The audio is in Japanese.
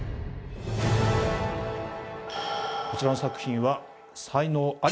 こちらの作品は。